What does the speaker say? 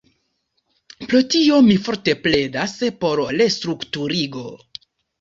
Pro tio mi forte pledas por restrukturigo.